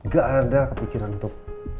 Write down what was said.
gak ada kepikiran untuk